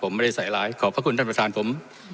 ผมไม่ได้ใส่ร้ายขอบพระคุณท่านประธานผม